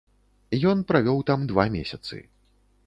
Ён правёў там два месяцы.